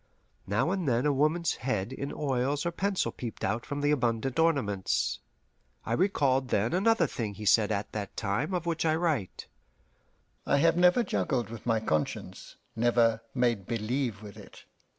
Now and then a woman's head in oils or pencil peeped out from the abundant ornaments. I recalled then another thing he said at that time of which I write: "I have never juggled with my conscience never 'made believe' with it.